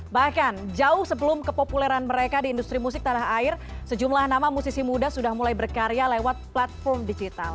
bahkan jauh sebelum kepopuleran mereka di industri musik tanah air sejumlah nama musisi muda sudah mulai berkarya lewat platform digital